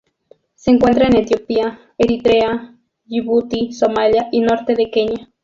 Se encuentra en Etiopía, Eritrea, Yibuti, Somalia y norte de Kenia.